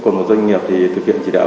còn một doanh nghiệp thì thực hiện chỉ đạo